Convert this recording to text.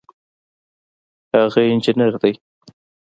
هغه انجینر دی